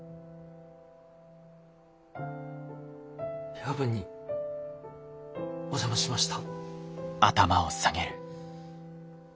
夜分にお邪魔しました。